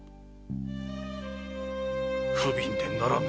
不憫でならぬ。